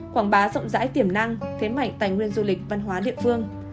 quảng bá rộng rãi tiềm năng thế mạnh tài nguyên du lịch văn hóa địa phương